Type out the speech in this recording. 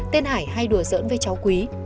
tên hải hay đùa giỡn với cháu quý